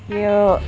yuk satu dua